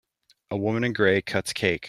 A woman in gray cuts cake.